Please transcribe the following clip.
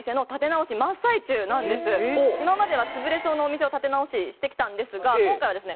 番組に今まではつぶれそうなお店を立て直ししてきたんですが今回はですね